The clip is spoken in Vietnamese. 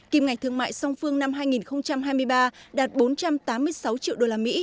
kim ngạch thương mại song phương năm hai nghìn hai mươi ba đạt bốn trăm tám mươi sáu triệu usd